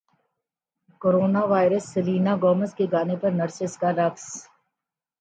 corona virus Selena Gomez کے گانے پر نرسز کا رقص